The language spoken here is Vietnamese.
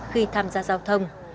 khi tham gia giao thông